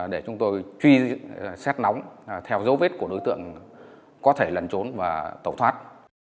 để chúng tôi truy xét nóng theo dấu vết của đối tượng có thể lẩn trốn và tẩu thoát